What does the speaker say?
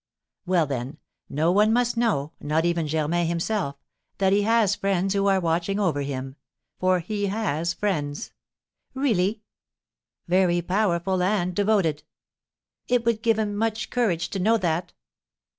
"Well, then, no one must know not even Germain himself that he has friends who are watching over him, for he has friends." "Really!" "Very powerful and devoted." "It would give him much courage to know that."